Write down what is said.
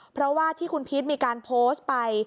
เพราะว่าที่คุณพีชมีการโพสต์ไป